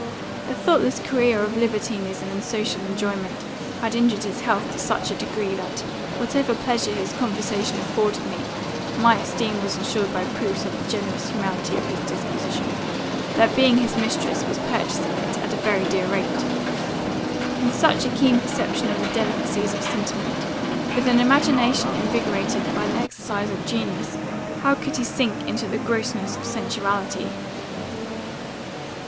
A thoughtless career of libertinism and social enjoyment, had injured his health to such a degree, that, whatever pleasure his conversation afforded me (and my esteem was ensured by proofs of the generous humanity of his disposition), the being his mistress was purchasing it at a very dear rate. With such a keen perception of the delicacies of sentiment, with an imagination invigorated by the exercise of genius, how could he sink into the grossness of sensuality!